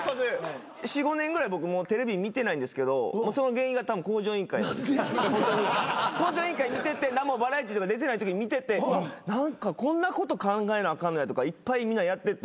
４５年ぐらい僕もうテレビ見てないんですけどその原因がたぶん『向上委員会』『向上委員会』見てて何もバラエティー出てないときに見てて何かこんなこと考えなあかんのやとかいっぱいみんなやってて。